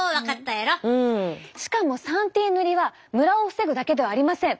しかも３Ｔ塗りはムラを防ぐだけではありません。